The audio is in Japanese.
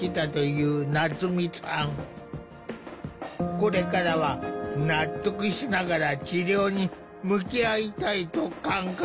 これからは納得しながら治療に向き合いたいと考えている。